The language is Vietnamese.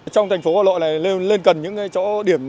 trong thành phố hà nội này lên cần những cái chỗ điểm